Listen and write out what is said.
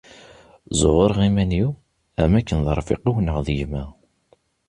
Ẓẓuɣureɣ iman-iw, am wakken d arfiq-iw neɣ d gma.